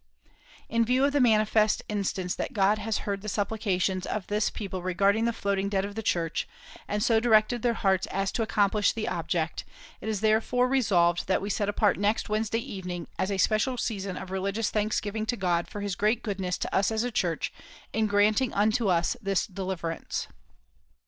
"In view of the manifest instance that God has heard the supplications of this people regarding the floating debt of the Church, and so directed their hearts as to accomplish the object, it is therefore resolved that we set apart next Wednesday evening as a special season of religious thanksgiving to God for his great goodness to us as a Church, in granting unto us this deliverance."